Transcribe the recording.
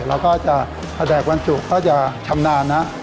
แล้วก็จะพอแดกบรรจุก็จะชำนาญนะ